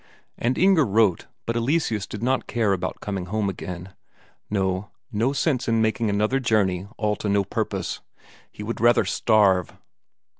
And Inger wrote, but Eleseus did not care about coming home again; no, no sense in making another journey all to no purpose; he would rather starve.